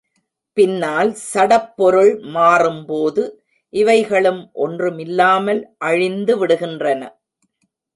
பின்னால் சடப்பொருள் மாறும்போது, இவைகளும் ஒன்றுமில்லாமல் அழிந்து விடுகின்றன.